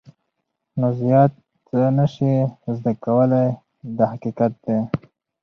نو زیات څه نه شې زده کولای دا حقیقت دی.